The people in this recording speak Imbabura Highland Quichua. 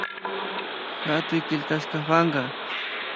Hatuy killkashka panka